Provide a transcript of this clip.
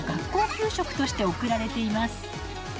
給食として送られています。